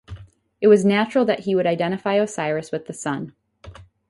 It was natural that he would identify Osiris with the sun.